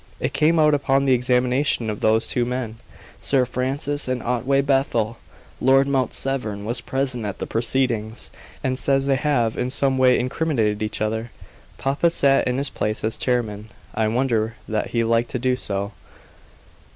It came out upon the examination of those two men, Sir Francis and Otway Bethel. Lord Mount Severn was present at the proceedings, and says they have in some way incriminated each other. Papa sat in his place as chairman; I wonder that he liked to do so."